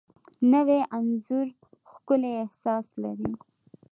نوی انځور ښکلی احساس لري